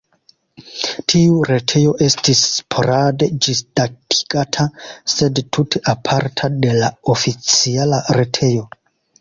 Tiu retejo estis sporade ĝisdatigata, sed tute aparta de la oficiala retejo.